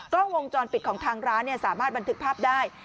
กล้องวงจรปิดของทางร้านสามารถบันทึกภาพได้